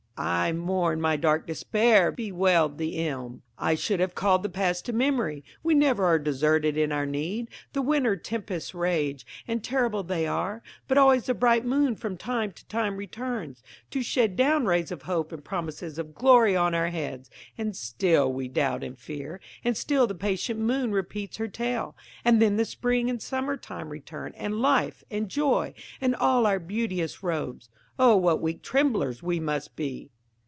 "I mourn my dark despair," bewailed the Elm. "I should have called the past to memory! We never are deserted in our need. The winter tempests rage, and terrible they are; but always the bright moon from time to time returns, to shed down rays of hope and promises of glory on our heads; and still we doubt and fear, and still the patient moon repeats her tale. And then the spring and summer time return, and life, and joy, and all our beauteous robes. Oh, what weak tremblers we must be!"